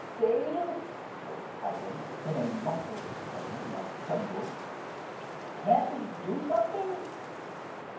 "Dave," spoke Hiram in a muffled tone that trembled, "can't we do something?"